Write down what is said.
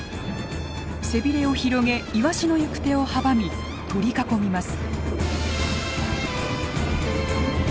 背びれを広げイワシの行く手を阻み取り囲みます。